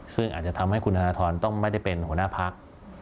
ซึ่งอาจจะทำให้คุณธนทรต้องไม่ได้เป็นหัวหน้าพัก